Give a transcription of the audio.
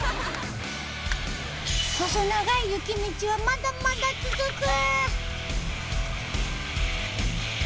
細長い雪道はまだまだ続く！